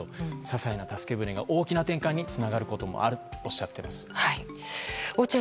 些細な助け舟が大きな展開につながることもあるとおっしゃいます。